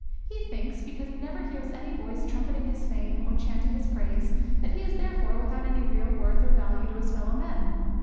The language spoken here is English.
He thinks, because he never hears any voice trumpeting his fame or chanting his praise, that he is therefore without any real worth or value to his fellow men.